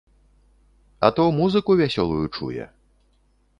А то музыку вясёлую чуе.